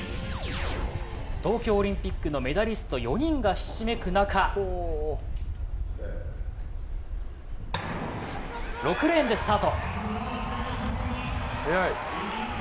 東京オリンピックのメダリスト４人がひしめく中６レーンでスタート。